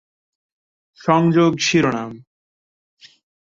সংযোগ শিরোনাম